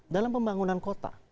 dalam pembangunan kota